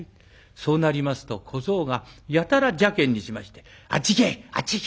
そうなりますと小僧がやたら邪けんにしまして「あっち行け。